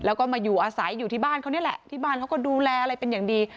แล้วก็มาอยู่อาศัยอยู่ที่บ้านเขานี่แหละที่บ้านเขาก็ดูแลอะไรเป็นอย่างดี